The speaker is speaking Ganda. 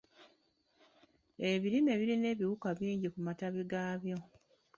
Ebirime birina ebiwuka bingi ku matabi gaabyo.